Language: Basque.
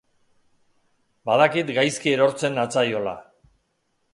Badakit gaizki erortzen natzaiola.